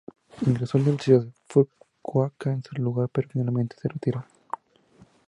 Ingresó a la Universidad de Fukuoka en su lugar, pero finalmente se retiró.